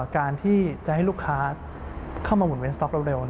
การที่จะให้ลูกค้าเข้ามาหมุนเว้นสต๊อกเร็ว